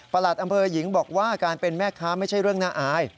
อำเภอหญิงบอกว่าการเป็นแม่ค้าไม่ใช่เรื่องน่าอาย